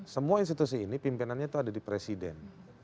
semua institusi ini pimpinannya itu ada di presiden